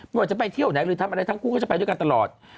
ว่าจะไปเที่ยวไหนหรือทำอะไรทั้งคู่ก็จะไปด้วยกันตลอด